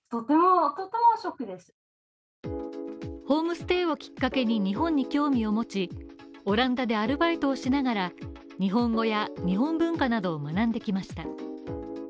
ホームステイをきっかけに日本に興味を持ち、オランダでアルバイトをしながら日本語や日本文化などを学んできました。